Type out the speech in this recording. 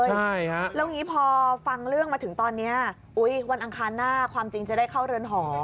แล้วงี้พอฟังเรื่องมาถึงตอนนี้วันอังคารหน้าความจริงจะได้เข้าเรือนหอ